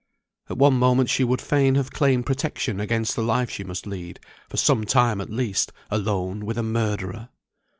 At one moment she would fain have claimed protection against the life she must lead, for some time at least, alone with a murderer!